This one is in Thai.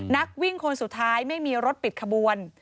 นักวิ่งคนสุดท้ายไม่มีรถปิดขบวน